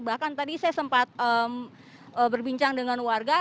bahkan tadi saya sempat berbincang dengan warga